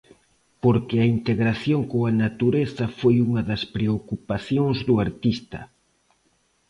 Porque a integración coa natureza foi unha das preocupacións do artista.